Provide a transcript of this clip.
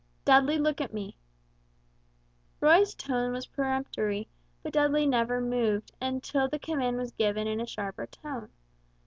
"Dudley, look at me." Roy's tone was peremptory, but Dudley never moved, until the command was given in a sharper tone.